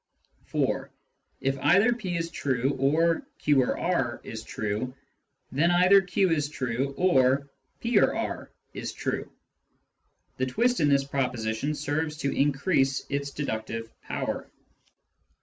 (4) If either p is true or " q or r " is true, then either q is true or " p or r " is true. (The twist in this proposition serves to increase its deductive power.)